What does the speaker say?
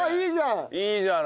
いいじゃん！